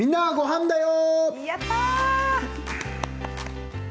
やった。